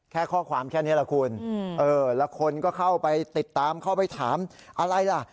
แค่ข้อความแค่นี้แหละคุณเออแล้วคนก็เข้าไปติดตามเข้าไปถามอะไรล่ะ